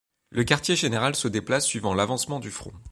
Le quartier général se déplace suivant l'avancement du front.